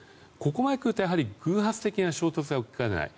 ここまでくると偶発的な衝突が起きかねない。